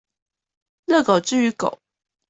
熱狗之於狗